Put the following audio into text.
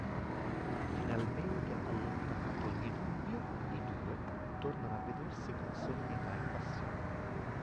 Finalmente allontanato ogni dubbio, i due tornano a vedersi con serenità e passione.